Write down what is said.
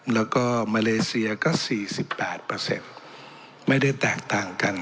แล้วก็มาเลเซียก็๔๘ไม่ได้แตกต่างกัน